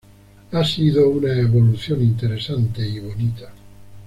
ha sido una evolución interesante y bonita